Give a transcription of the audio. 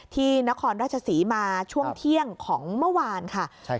นครราชศรีมาช่วงเที่ยงของเมื่อวานค่ะ